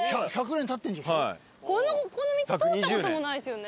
こんな道通ったこともないですよね。